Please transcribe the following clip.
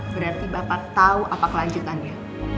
berarti bapak tahu apa kelanjutannya